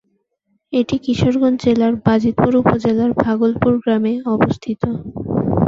এটি কিশোরগঞ্জ জেলার বাজিতপুর উপজেলার ভাগলপুর গ্রামে অবস্থিত।